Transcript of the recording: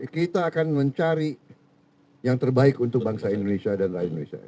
kita akan mencari yang terbaik untuk bangsa indonesia dan rakyat indonesia